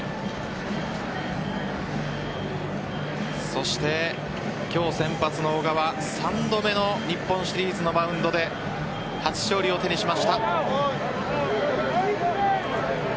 そして今日先発の小川３度目の日本シリーズのマウンドで初勝利を手にしました。